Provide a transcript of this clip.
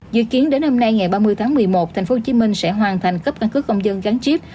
dự kiến đến hôm nay ngày ba mươi tháng một mươi một tp hcm sẽ hoàn thành cấp căn cứ công dân gắn chip